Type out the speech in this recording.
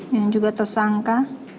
yang juga tersangka